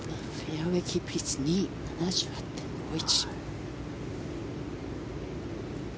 フェアウェーキープ率２位７８．５１。